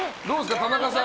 田中さん。